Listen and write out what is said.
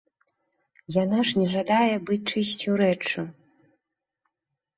Яна ж не жадае быць чыйсьці рэччу.